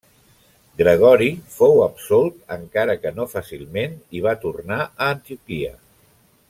Gregori fou absolt encara que no fàcilment i va tornar a Antioquia.